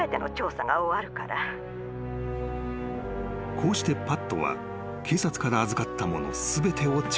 ［こうしてパットは警察から預かったもの全てを調査した］